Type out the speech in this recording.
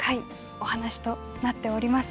お話となっております。